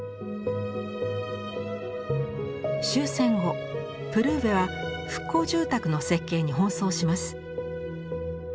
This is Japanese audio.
終戦後プルーヴェは復興住宅の設計に奔走します。